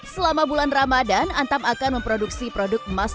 selama bulan ramadhan antam akan memproduksi produk emas nematik ini